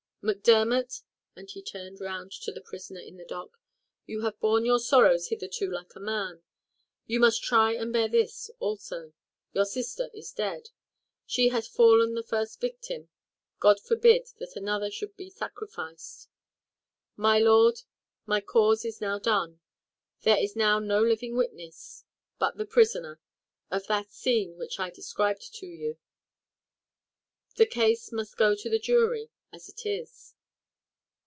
Macdermot," and he turned round to the prisoner in the dock, "you have borne your sorrows hitherto like a man; you must try and bear this also your sister is dead. She has fallen the first victim God forbid that another should be sacrificed. My lord, my cause is now done; there is now no living witness, but the prisoner, of that scene which I described to you. The case must go to the jury as it is."